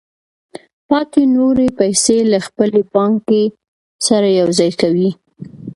پاتې نورې پیسې له خپلې پانګې سره یوځای کوي